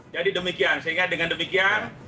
jadi demikian sehingga dengan demikian